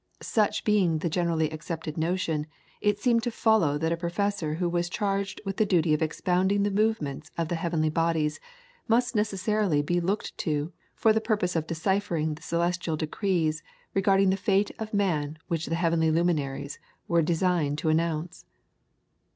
Such being the generally accepted notion, it seemed to follow that a professor who was charged with the duty of expounding the movements of the heavenly bodies must necessarily be looked to for the purpose of deciphering the celestial decrees regarding the fate of man which the heavenly luminaries were designed to announce.